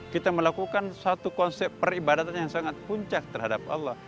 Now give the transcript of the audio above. kita melakukan satu konsep peribadatan yang sangat puncak terhadap allah